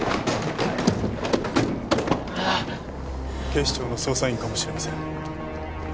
警視庁の捜査員かもしれません。